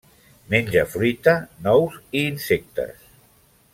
Menja fruita, nous i insectes.